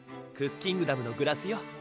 クッキングダムのグラスよ